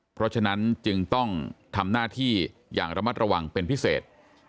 เพราะฉะนั้นจึงต้องทำหน้าที่อย่างระมัดระวังเป็นพิเศษ